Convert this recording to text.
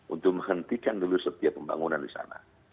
untuk menghentikan dulu setiap pembangunan di sana